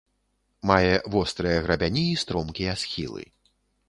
Мае вострыя грабяні і стромкія схілы.